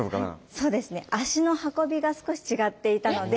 そうですね足の運びが少し違っていたので。